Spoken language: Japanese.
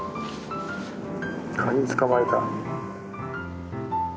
カニ捕まえた。